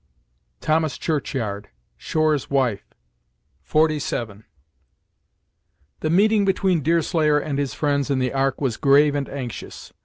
Thomas Churchyard, "Shore's Wife," xlvii. The meeting between Deerslayer and his friends in the Ark was grave and anxious.